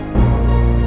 b oversee olahraga dima